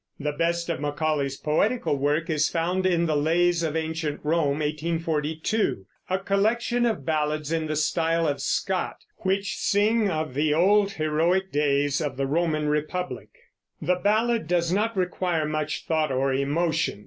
The best of Macaulay's poetical work is found in the Lays of Ancient Rome (1842), a collection of ballads in the style of Scott, which sing of the old heroic days of the Rome Roman republic. The ballad does not require much thought or emotion.